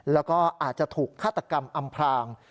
แล้วก็อาจจะถูกฆาตกรรมอำพราง